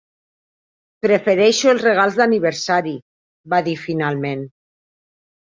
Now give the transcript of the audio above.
"Prefereixo els regals d'aniversari", va dir finalment.